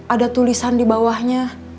ada tulisan dibawahnya